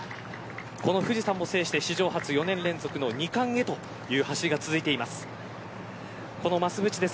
この富士山も制して史上初４年連続の二冠をという走りが続いています。